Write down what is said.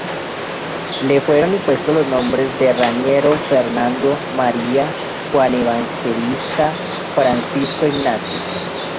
Le fueron impuestos los nombres de Raniero, Fernando, María, Juan Evangelista, Francisco e Ignacio.